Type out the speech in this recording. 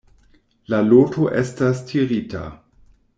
La loto estas tirita.